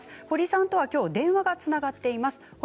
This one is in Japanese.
堀さんとはきょうは電話がつながっています。